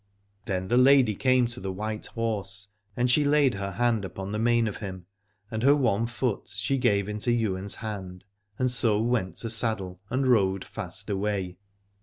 Then the lady came to the white horse, and she laid her hand upon the mane of him, and her one foot she gave into Ywain's hand and so went to saddle and rode fast away.